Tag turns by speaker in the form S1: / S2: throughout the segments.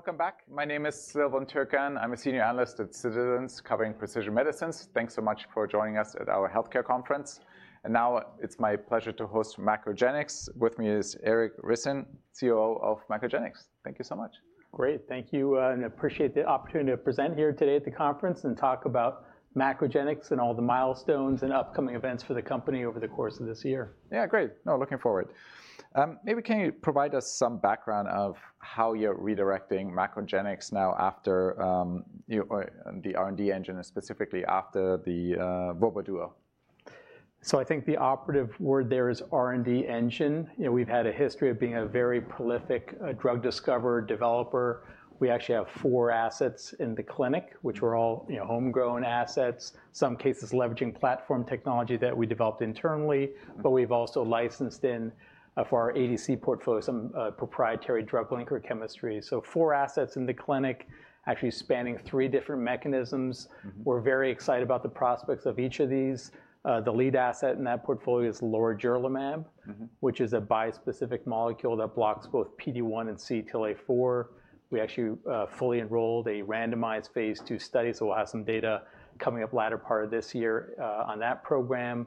S1: All right, welcome back. My name is Silvan Türkcan. I'm a Senior Analyst at Citizens covering precision medicines. Thanks so much for joining us at our healthcare conference. Now it's my pleasure to host MacroGenics. With me is Eric Risser, COO of MacroGenics. Thank you so much.
S2: Great, thank you. I appreciate the opportunity to present here today at the conference and talk about MacroGenics and all the milestones and upcoming events for the company over the course of this year.
S1: Yeah, great. No, looking forward. Maybe can you provide us some background of how you're redirecting MacroGenics now after the R&D engine, and specifically after the robot duo?
S2: I think the operative word there is R&D engine. We've had a history of being a very prolific drug discoverer developer. We actually have four assets in the clinic, which were all homegrown assets, some cases leveraging platform technology that we developed internally. We have also licensed in for our ADC portfolio some proprietary drug linker chemistry. Four assets in the clinic actually spanning three different mechanisms. We're very excited about the prospects of each of these. The lead asset in that portfolio is lorigerlimab, which is a bispecific molecule that blocks both PD-1 and CTLA-4. We actually fully enrolled a randomized phase II study. We'll have some data coming up latter part of this year on that program.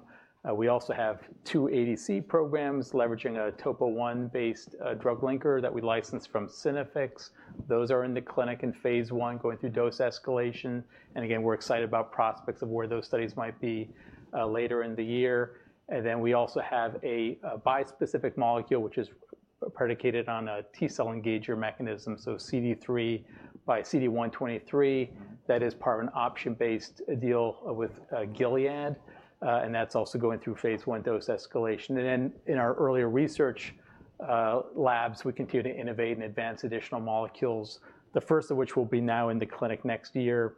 S2: We also have two ADC programs leveraging a topo I-based drug linker that we licensed from Synaffix. Those are in the clinic in phase I going through dose escalation. Again, we're excited about prospects of where those studies might be later in the year. We also have a bispecific molecule, which is predicated on a T-cell engager mechanism, so CD3 by CD123 that is part of an option-based deal with Gilead. That's also going through phase I dose escalation. In our earlier research labs, we continue to innovate and advance additional molecules, the first of which will be now in the clinic next year.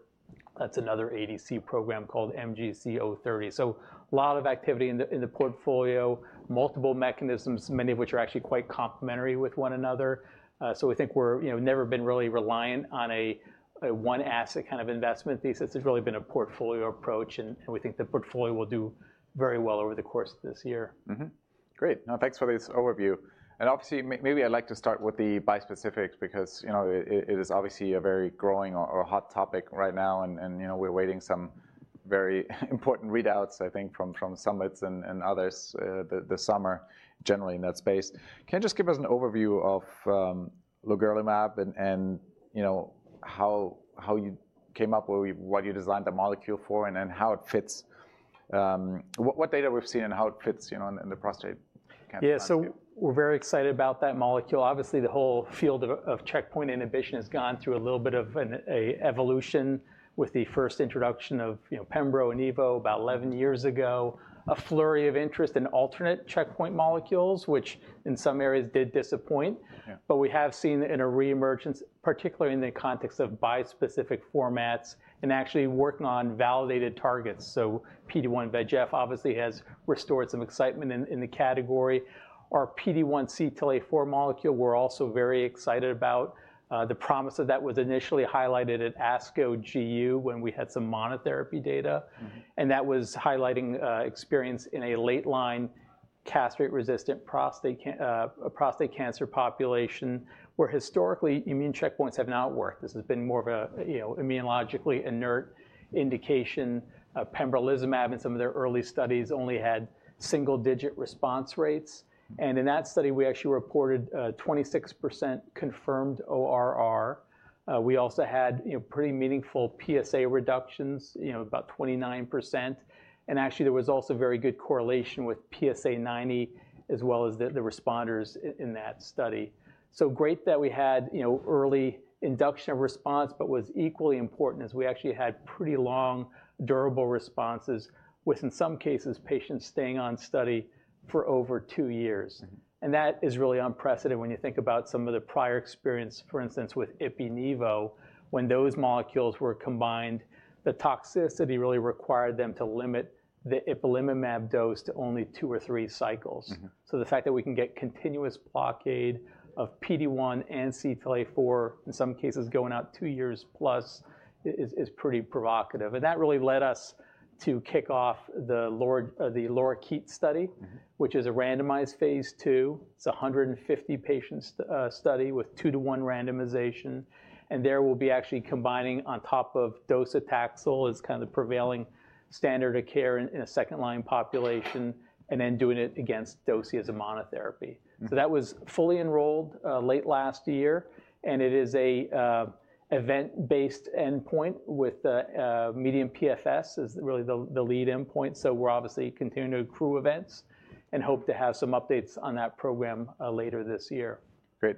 S2: That's another ADC program called MGC030. A lot of activity in the portfolio, multiple mechanisms, many of which are actually quite complementary with one another. We think we've never been really reliant on a one asset kind of investment thesis. It's really been a portfolio approach. We think the portfolio will do very well over the course of this year.
S1: Great. No, thanks for this overview. Obviously, maybe I'd like to start with the bispecifics because it is obviously a very growing or hot topic right now. We're waiting some very important readouts, I think, from summits and others this summer generally in that space. Can you just give us an overview of lorigerlimab and how you came up with what you designed the molecule for and then how it fits, what data we've seen and how it fits in the prostate cancer?
S2: Yeah, so we're very excited about that molecule. Obviously, the whole field of checkpoint inhibition has gone through a little bit of an evolution with the first introduction of pembro and evo about 11 years ago, a flurry of interest in alternate checkpoint molecules, which in some areas did disappoint. We have seen a reemergence, particularly in the context of bispecific formats and actually working on validated targets. PD-1 VEGF obviously has restored some excitement in the category. Our PD-1 CTLA-4 molecule, we're also very excited about. The promise of that was initially highlighted at ASCO-GU when we had some monotherapy data. That was highlighting experience in a late line castrate-resistant prostate cancer population where historically immune checkpoints have not worked. This has been more of an immunologically inert indication. Pembrolizumab in some of their early studies only had single-digit response rates. In that study, we actually reported 26% confirmed ORR. We also had pretty meaningful PSA reductions, about 29%. There was also very good correlation with PSA 90 as well as the responders in that study. Great that we had early induction of response, but what was equally important is we actually had pretty long durable responses with, in some cases, patients staying on study for over two years. That is really unprecedented when you think about some of the prior experience, for instance, with IpiNevo. When those molecules were combined, the toxicity really required them to limit the ipilimumab dose to only two or three cycles. The fact that we can get continuous blockade of PD-1 and CTLA-4, in some cases going out two years plus, is pretty provocative. That really led us to kick off the LORIKEET study, which is a phase II. It is a 150-patient study with two-to-one randomization. There we will be actually combining on top of docetaxel as kind of the prevailing standard of care in a second line population and then doing it against docetaxel as a monotherapy. That was fully enrolled late last year. It is an event-based endpoint with median PFS as really the lead endpoint. We are obviously continuing to accrue events and hope to have some updates on that program later this year.
S1: Great.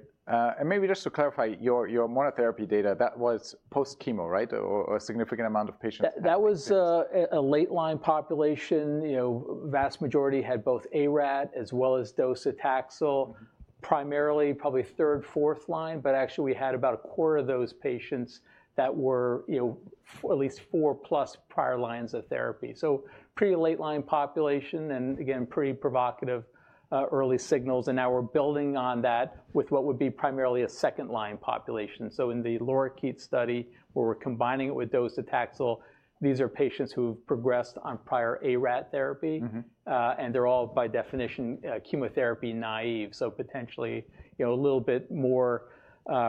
S1: Maybe just to clarify your monotherapy data, that was post chemo, right? Or a significant amount of patients?
S2: That was a late line population. Vast majority had both ARAT as well as docetaxel, primarily probably third, fourth line. Actually, we had about a quarter of those patients that were at least 4+ prior lines of therapy. Pretty late line population and again, pretty provocative early signals. Now we're building on that with what would be primarily a second line population. In the LORIKEET study where we're combining it with docetaxel, these are patients who have progressed on prior ARAT therapy. They're all by definition chemotherapy naive. Potentially a little bit more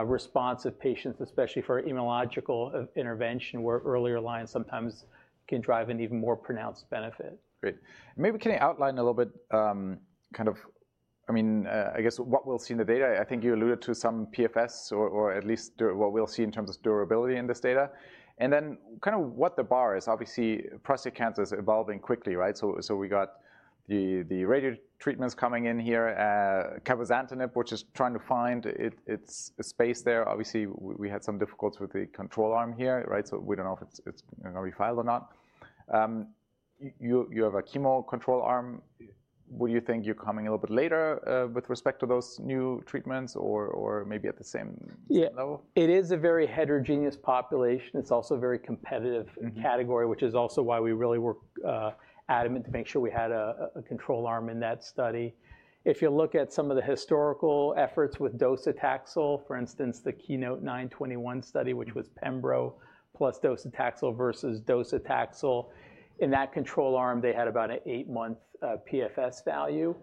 S2: responsive patients, especially for immunological intervention where earlier lines sometimes can drive an even more pronounced benefit.
S1: Great. Maybe can you outline a little bit kind of, I mean, I guess what we'll see in the data? I think you alluded to some PFS or at least what we'll see in terms of durability in this data. And then kind of what the bar is, obviously prostate cancer is evolving quickly, right? We got the radio treatments coming in here, cabozantinib, which is trying to find its space there. Obviously, we had some difficulty with the control arm here, right? We do not know if it is going to be filed or not. You have a chemo control arm. Would you think you are coming a little bit later with respect to those new treatments or maybe at the same level?
S2: It is a very heterogeneous population. It's also a very competitive category, which is also why we really were adamant to make sure we had a control arm in that study. If you look at some of the historical efforts with docetaxel, for instance, the KEYNOTE-921 study, which was pembro + docetaxel versus docetaxel, in that control arm, they had about an eight-month PFS value.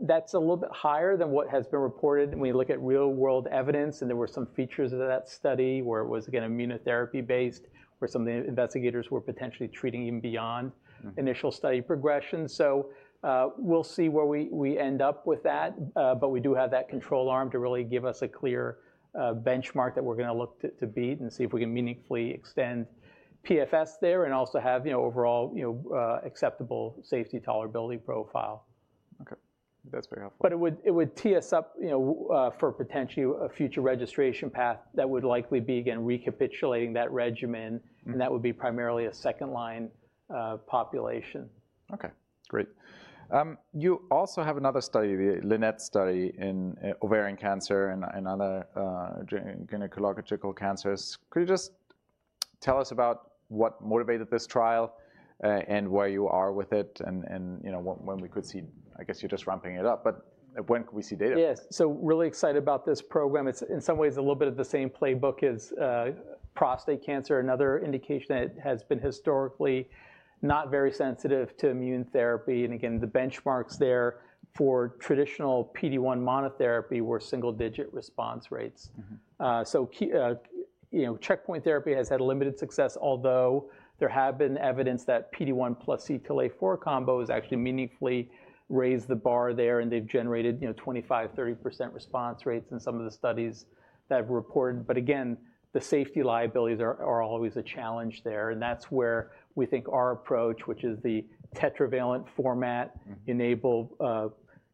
S2: That's a little bit higher than what has been reported. We look at real-world evidence. There were some features of that study where it was again immunotherapy-based where some of the investigators were potentially treating even beyond initial study progression. We will see where we end up with that. We do have that control arm to really give us a clear benchmark that we're going to look to beat and see if we can meaningfully extend PFS there and also have overall acceptable safety tolerability profile.
S1: Okay. That's very helpful.
S2: It would tee us up for potentially a future registration path that would likely be again recapitulating that regimen. That would be primarily a second line population.
S1: Okay. Great. You also have another study, the LINNET study in ovarian cancer and other gynecological cancers. Could you just tell us about what motivated this trial and where you are with it and when we could see, I guess you're just ramping it up, but when could we see data?
S2: Yes. Really excited about this program. It's in some ways a little bit of the same playbook as prostate cancer, another indication that has been historically not very sensitive to immune therapy. Again, the benchmarks there for traditional PD-1 monotherapy were single-digit response rates. Checkpoint therapy has had limited success, although there has been evidence that PD-1 plus CTLA-4 combo has actually meaningfully raised the bar there. They have generated 25%-30% response rates in some of the studies that have reported. Again, the safety liabilities are always a challenge there. That is where we think our approach, which is the tetravalent format, enables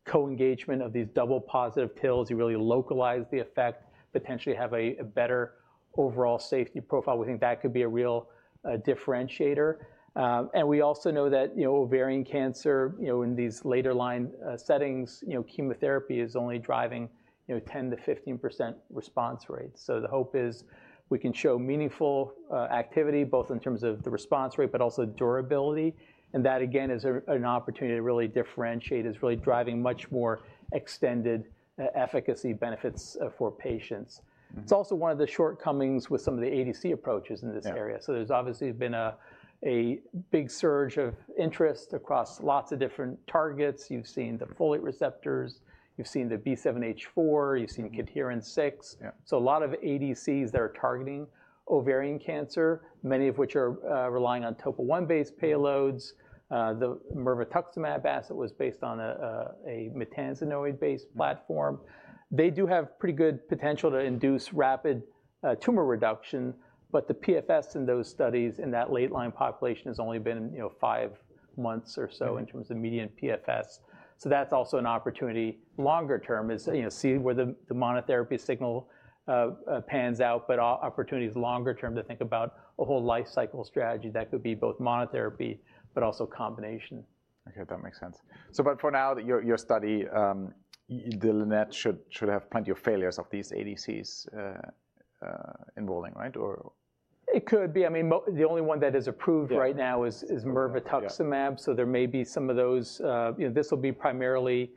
S2: co-engagement of these double-positive TILs. You really localize the effect, potentially have a better overall safety profile. We think that could be a real differentiator. We also know that ovarian cancer in these later-line settings, chemotherapy is only driving 10%-15% response rates. The hope is we can show meaningful activity both in terms of the response rate, but also durability. That again is an opportunity to really differentiate, really driving much more extended efficacy benefits for patients. It is also one of the shortcomings with some of the ADC approaches in this area. There has obviously been a big surge of interest across lots of different targets. You have seen the folate receptors. You have seen the B7-H4. You have seen cadherin-6. A lot of ADCs are targeting ovarian cancer, many of which are relying on topo I-based payloads. The mirvetuximab asset was based on a maytansinoid-based platform. They do have pretty good potential to induce rapid tumor reduction. The PFS in those studies in that late line population has only been five months or so in terms of median PFS. That is also an opportunity longer term to see where the monotherapy signal pans out, but opportunities longer term to think about a whole life cycle strategy that could be both monotherapy, but also combination.
S1: Okay. That makes sense. But for now, your study, the LINNET, should have plenty of failures of these ADCs enrolling, right?
S2: It could be. I mean, the only one that is approved right now is mirvetuximab. There may be some of those. This will be primarily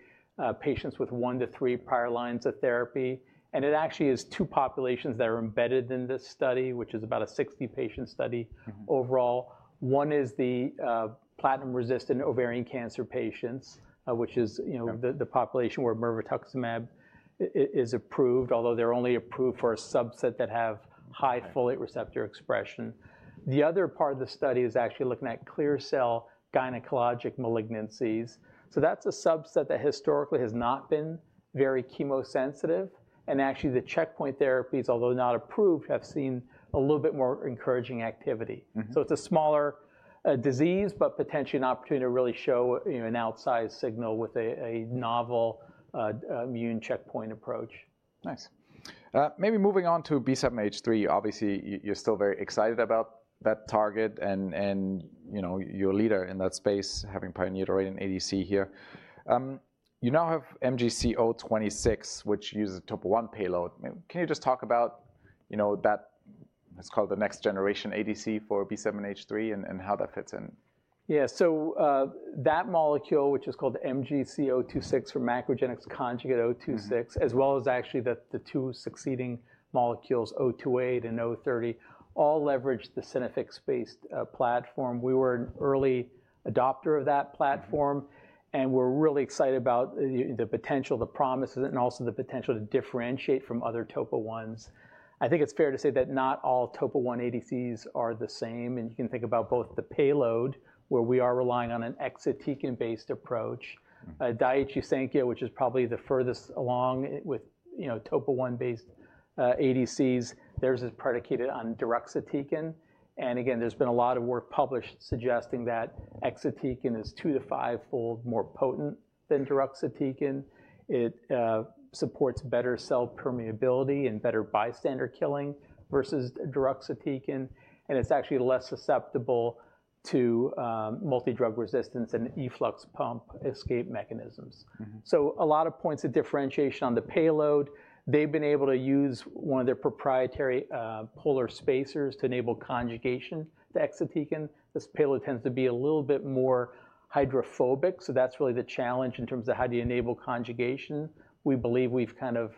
S2: patients with one to three prior lines of therapy. It actually is two populations that are embedded in this study, which is about a 60-patient study overall. One is the platinum-resistant ovarian cancer patients, which is the population where mirvetuximab is approved, although they are only approved for a subset that have high folate receptor expression. The other part of the study is actually looking at clear cell gynecologic malignancies. That is a subset that historically has not been very chemosensitive. Actually, the checkpoint therapies, although not approved, have seen a little bit more encouraging activity. It is a smaller disease, but potentially an opportunity to really show an outsized signal with a novel immune checkpoint approach.
S1: Nice. Maybe moving on to B7-H3, obviously you're still very excited about that target and you're a leader in that space having pioneered already an ADC here. You now have MGC026, which uses a topo I payload. Can you just talk about that? It's called the next generation ADC for B7-H3 and how that fits in.
S2: Yeah. So that molecule, which is called MGC026 for MacroGenics conjugate MGC026, as well as actually the two succeeding molecules MGC028 and MGC030, all leverage the Synaffix-based platform. We were an early adopter of that platform. We're really excited about the potential, the promises, and also the potential to differentiate from other topo I's. I think it's fair to say that not all topo I ADCs are the same. You can think about both the payload where we are relying on an exatecan-based approach. Daiichi Sankyo, which is probably the furthest along with topo I-based ADCs, theirs is predicated on deruxtecan. Again, there's been a lot of work published suggesting that exatecan is two- to five-fold more potent than deruxtecan. It supports better cell permeability and better bystander killing versus deruxtecan. It's actually less susceptible to multi-drug resistance and efflux pump escape mechanisms. A lot of points of differentiation on the payload. They've been able to use one of their proprietary polar spacers to enable conjugation to exatecan. This payload tends to be a little bit more hydrophobic. That's really the challenge in terms of how do you enable conjugation. We believe we've kind of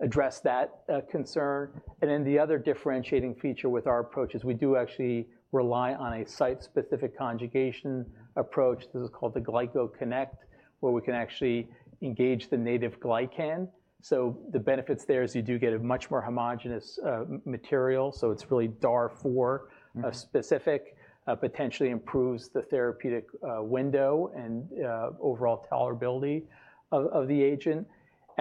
S2: addressed that concern. The other differentiating feature with our approach is we do actually rely on a site-specific conjugation approach. This is called the GlycoConnect, where we can actually engage the native glycan. The benefits there are you do get a much more homogenous material. It's really DAR4 specific, potentially improves the therapeutic window and overall tolerability of the agent.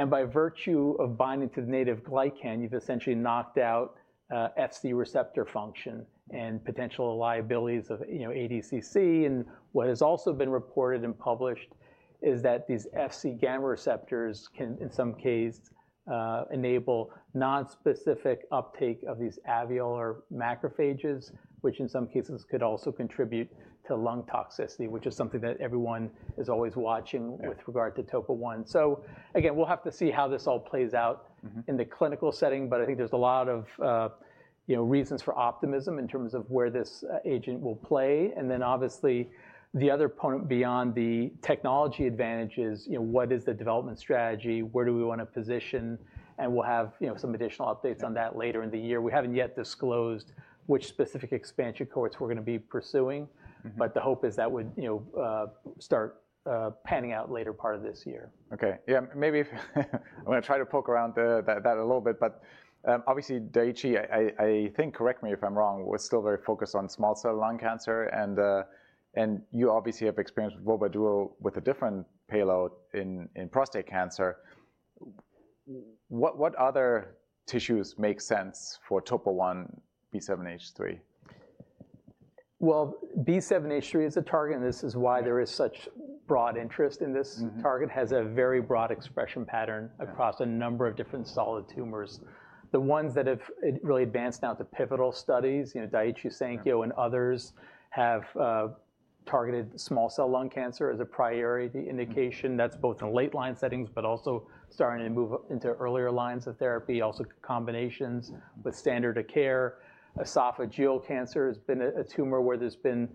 S2: By virtue of binding to the native glycan, you've essentially knocked out FC receptor function and potential liabilities of ADCC. What has also been reported and published is that these FC gamma receptors can in some cases enable nonspecific uptake of these alveolar macrophages, which in some cases could also contribute to lung toxicity, which is something that everyone is always watching with regard to topo I. We will have to see how this all plays out in the clinical setting. I think there is a lot of reason for optimism in terms of where this agent will play. Obviously, the other point beyond the technology advantage is what is the development strategy. Where do we want to position. We will have some additional updates on that later in the year. We have not yet disclosed which specific expansion cohorts we are going to be pursuing. The hope is that would start panning out later part of this year.
S1: Okay. Yeah. Maybe I'm going to try to poke around that a little bit. Obviously, Daiichi, I think, correct me if I'm wrong, was still very focused on small cell lung cancer. You obviously have experience with Vobra duo with a different payload in prostate cancer. What other tissues make sense for topo I B7-H3?
S2: B7-H3 is a target. This is why there is such broad interest in this target. It has a very broad expression pattern across a number of different solid tumors. The ones that have really advanced now to pivotal studies, Daiichi Sankyo and others have targeted small cell lung cancer as a priority indication. That is both in late line settings, but also starting to move into earlier lines of therapy, also combinations with standard of care. Esophageal cancer has been a tumor where there has been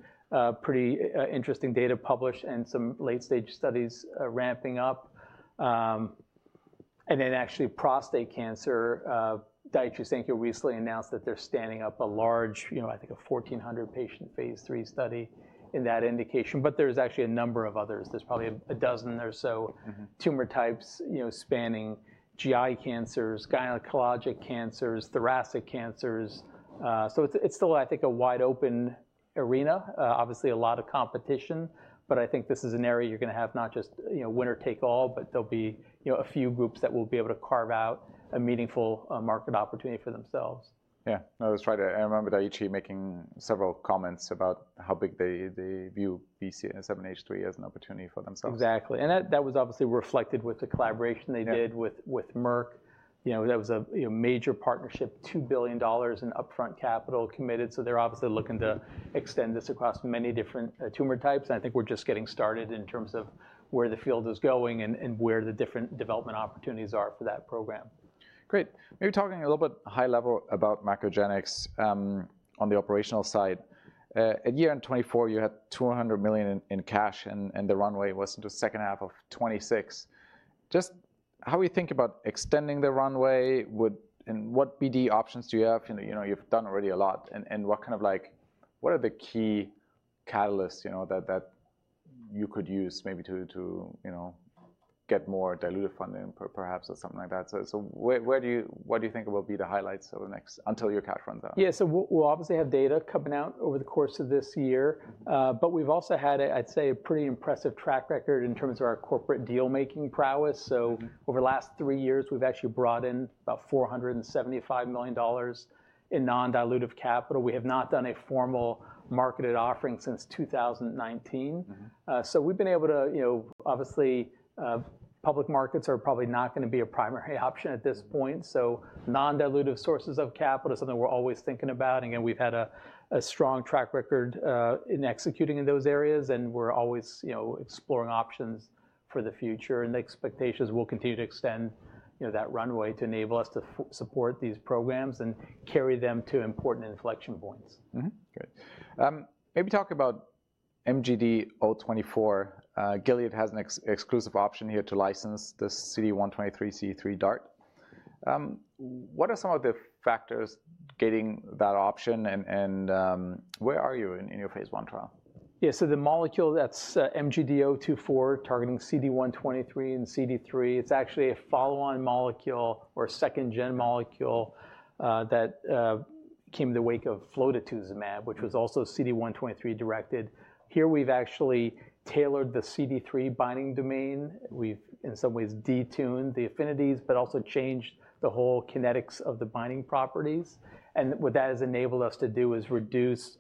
S2: pretty interesting data published and some late-stage studies ramping up. Actually, prostate cancer, Daiichi Sankyo recently announced that they are standing up a large, I think a 1,400-patient phase III study in that indication. There is actually a number of others. There is probably a dozen or so tumor types spanning GI cancers, gynecologic cancers, thoracic cancers. It is still, I think, a wide open arena. Obviously, a lot of competition. I think this is an area you're going to have not just winner take all, but there'll be a few groups that will be able to carve out a meaningful market opportunity for themselves.
S1: Yeah. I was trying to, I remember Daiichi making several comments about how big they view B7-H3 as an opportunity for themselves.
S2: Exactly. That was obviously reflected with the collaboration they did with Merck. That was a major partnership, $2 billion in upfront capital committed. They are obviously looking to extend this across many different tumor types. I think we are just getting started in terms of where the field is going and where the different development opportunities are for that program.
S1: Great. Maybe talking a little bit high level about MacroGenics on the operational side. At year 2024, you had $200 million in cash. And the runway was into the second half of 2026. Just how we think about extending the runway and what BD options do you have? You've done already a lot. And what kind of, what are the key catalysts that you could use maybe to get more diluted funding perhaps or something like that? So what do you think will be the highlights until your cash runs out?
S2: Yeah. We'll obviously have data coming out over the course of this year. We've also had, I'd say, a pretty impressive track record in terms of our corporate deal-making prowess. Over the last three years, we've actually brought in about $475 million in non-dilutive capital. We have not done a formal marketed offering since 2019. We've been able to, obviously, public markets are probably not going to be a primary option at this point. Non-dilutive sources of capital is something we're always thinking about. Again, we've had a strong track record in executing in those areas. We're always exploring options for the future. The expectation is we'll continue to extend that runway to enable us to support these programs and carry them to important inflection points.
S1: Great. Maybe talk about MGD024. Gilead has an exclusive option here to license the CD123 x CD3 DART. What are some of the factors getting that option? What are you in your phase I trial?
S2: Yeah. So the molecule that's MGD024 targeting CD123 and CD3, it's actually a follow-on molecule or a second-gen molecule that came in the wake of flotetuzumab, which was also CD123 directed. Here we've actually tailored the CD3 binding domain. We've in some ways detuned the affinities, but also changed the whole kinetics of the binding properties. What that has enabled us to do is reduce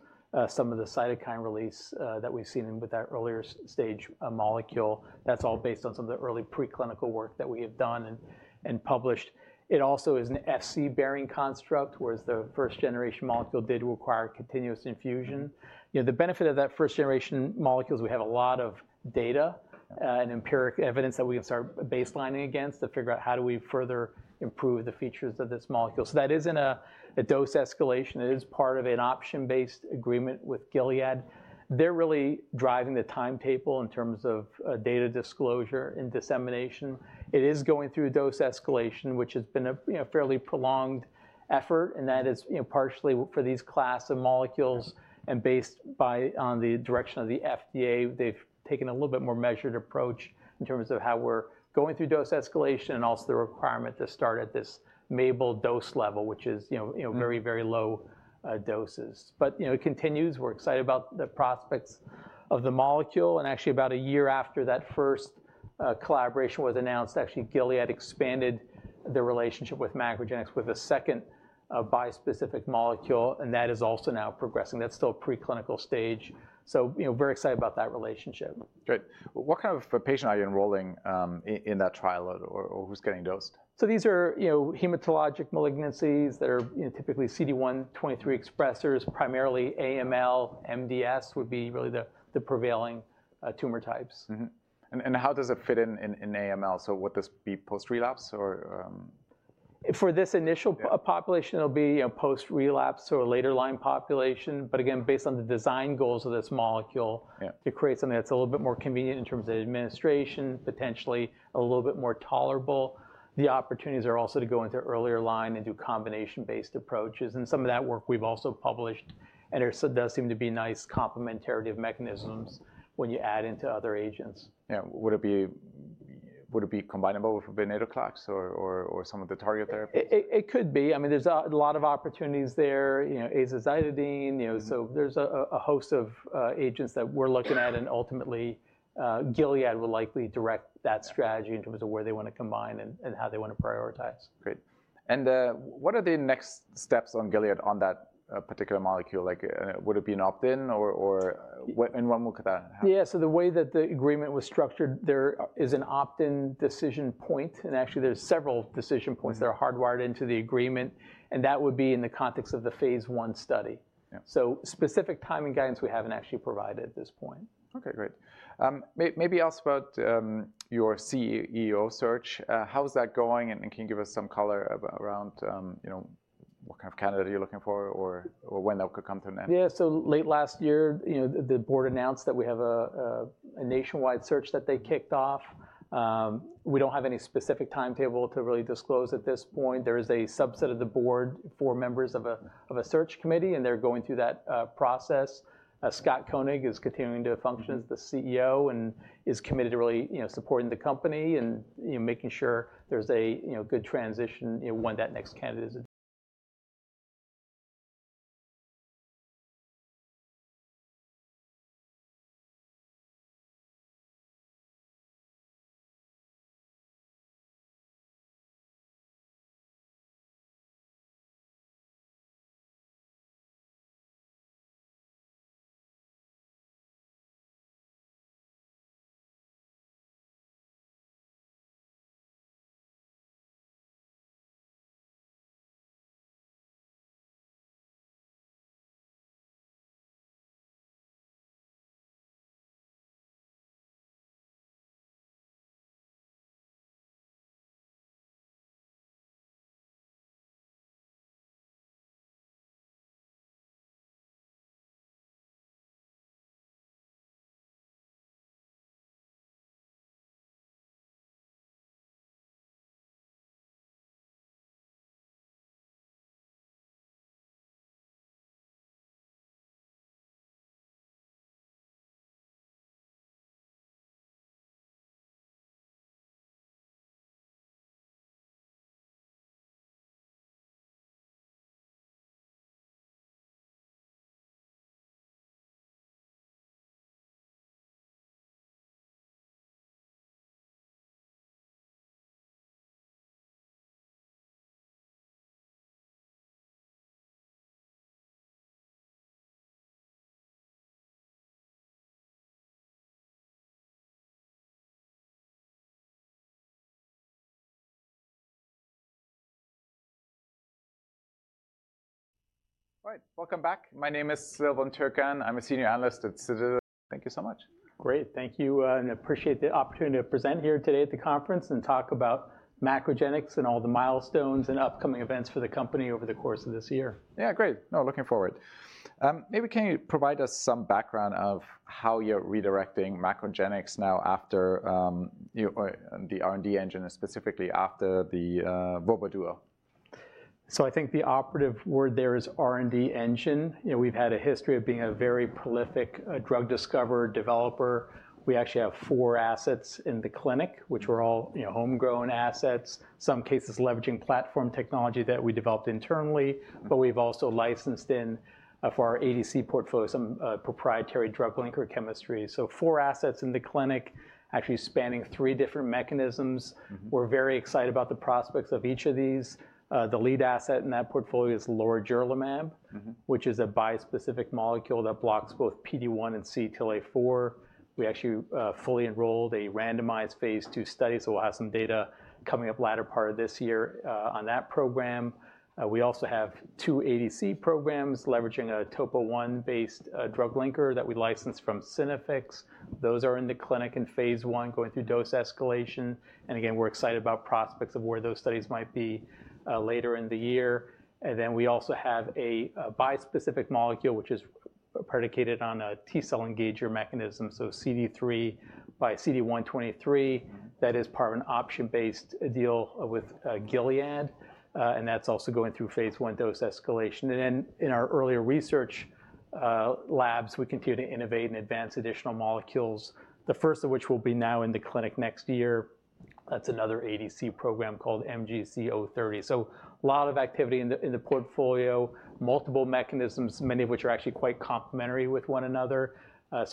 S2: some of the cytokine release that we've seen with that earlier stage molecule. That's all based on some of the early preclinical work that we have done and published. It also is an FC bearing construct, whereas the first-generation molecule did require continuous infusion. The benefit of that first-generation molecule is we have a lot of data and empiric evidence that we can start baselining against to figure out how do we further improve the features of this molecule. That is not a dose escalation. It is part of an option-based agreement with Gilead. They are really driving the timetable in terms of data disclosure and dissemination. It is going through dose escalation, which has been a fairly prolonged effort. That is partially for these class of molecules and based on the direction of the FDA. They have taken a little bit more measured approach in terms of how we are going through dose escalation and also the requirement to start at this MABEL dose level, which is very, very low doses. It continues. We are excited about the prospects of the molecule. Actually, about a year after that first collaboration was announced, Gilead expanded the relationship with MacroGenics with a second bispecific molecule. That is also now progressing. That is still preclinical stage. We are very excited about that relationship.
S1: Great. What kind of patient are you enrolling in that trial or who's getting dosed?
S2: These are hematologic malignancies that are typically CD123 expressors, primarily AML. MDS would be really the prevailing tumor types.
S1: How does it fit in AML? Would this be post-relapse or?
S2: For this initial population, it'll be post-relapse or later line population. Again, based on the design goals of this molecule to create something that's a little bit more convenient in terms of administration, potentially a little bit more tolerable. The opportunities are also to go into earlier line and do combination-based approaches. Some of that work we've also published. There does seem to be nice complementarity of mechanisms when you add into other agents.
S1: Yeah. Would it be combinable with venetoclax or some of the target therapies?
S2: It could be. I mean, there's a lot of opportunities there. Azacitidine. There is a host of agents that we're looking at. Ultimately, Gilead will likely direct that strategy in terms of where they want to combine and how they want to prioritize.
S1: Great. What are the next steps on Gilead on that particular molecule? Would it be an opt-in or in what mode could that happen?
S2: Yeah. The way that the agreement was structured, there is an opt-in decision point. Actually, there are several decision points that are hardwired into the agreement. That would be in the context of the phase I study. Specific timing guidance we have not actually provided at this point.
S1: Okay. Great. Maybe ask about your CEO search. How's that going? Can you give us some color around what kind of candidate you're looking for or when that could come to an end?
S2: Yeah. Late last year, the board announced that we have a nationwide search that they kicked off. We do not have any specific timetable to really disclose at this point. There is a subset of the board, four members of a search committee. They are going through that process. Scott Koenig is continuing to function as the CEO and is committed to really supporting the company and making sure there is a good transition when that next candidate is.
S1: All right. Welcome back. My name is Silvan Türkcan. I'm a Senior Analyst at Citizens. Thank you so much.
S2: Great. Thank you. I appreciate the opportunity to present here today at the conference and talk about MacroGenics and all the milestones and upcoming events for the company over the course of this year.
S1: Yeah. Great. No, looking forward. Maybe can you provide us some background of how you're redirecting MacroGenics now, after the R&D engine and specifically after the Vobra duo?
S2: I think the operative word there is R&D engine. We've had a history of being a very prolific drug discoverer developer. We actually have four assets in the clinic, which were all homegrown assets, in some cases leveraging platform technology that we developed internally. We have also licensed in for our ADC portfolio some proprietary drug linker chemistry. Four assets in the clinic actually spanning three different mechanisms. We're very excited about the prospects of each of these. The lead asset in that portfolio is lorigerlimab, which is a bispecific molecule that blocks both PD-1 and CTLA-4. We actually fully enrolled a randomized phase II study. We'll have some data coming up latter part of this year on that program. We also have two ADC programs leveraging a topo I-based drug linker that we licensed from Synaffix. Those are in the clinic in phase I going through dose escalation. Again, we're excited about prospects of where those studies might be later in the year. We also have a bispecific molecule, which is predicated on a T-cell engager mechanism. CD3 by CD123 that is part of an option-based deal with Gilead. That's also going through phase I dose escalation. In our earlier research labs, we continue to innovate and advance additional molecules, the first of which will be now in the clinic next year. That's another ADC program called MGC030. A lot of activity in the portfolio, multiple mechanisms, many of which are actually quite complementary with one another.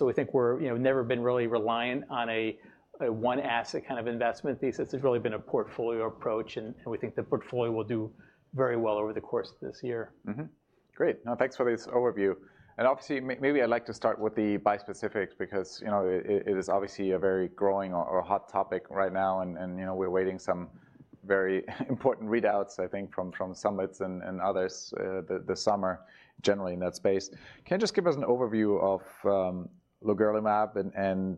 S2: We think we've never been really reliant on a one asset kind of investment thesis. It's really been a portfolio approach. We think the portfolio will do very well over the course of this year.
S1: Great. No, thanks for this overview. Obviously, maybe I'd like to start with the bispecifics because it is obviously a very growing or hot topic right now. We're waiting some very important readouts, I think, from summits and others this summer generally in that space. Can you just give us an overview of lorigerlimab and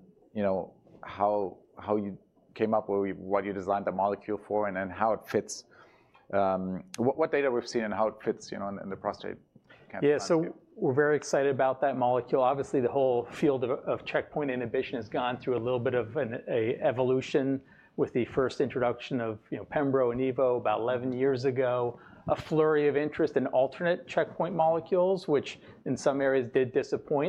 S1: how you came up with what you designed the molecule for and how it fits, what data we've seen and how it fits in the prostate cancer?
S2: Yeah. So we're very excited about that molecule. Obviously, the whole field of checkpoint inhibition has gone through a little bit of an evolution with the first introduction of pembro and evo about 11 years ago, a flurry of interest in alternate checkpoint molecules, which in some areas did disappoint.